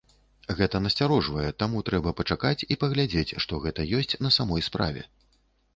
Гэта насцярожвае, таму трэба пачакаць і паглядзець, што гэта ёсць на самой справе.